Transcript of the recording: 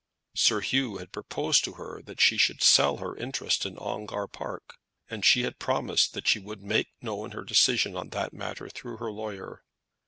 Sir Hugh had proposed to her that she should sell her interest in Ongar Park, and she had promised that she would make known her decision on that matter through her lawyer.